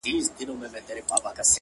• د پاولیو د پایلو شرنګ به نه وي ,